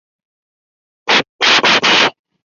位于日本桥地域南部。